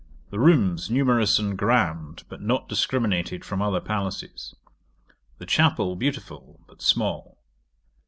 The rooms numerous and grand, but not discriminated from other palaces. The chapel beautiful, but small.